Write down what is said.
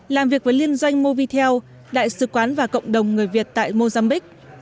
làm việc với liên doanh movitel đại sứ quán và cộng đồng người việt tại mozambique